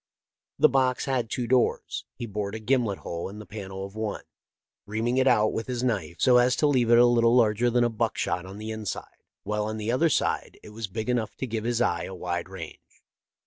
The box had two doors. He bored a gimlet hole in the panel of one, reaming it out with his knife, so as to leave it a little larger than a buckshot on the inside, while on the other side it was big enough to give his eye a wide range.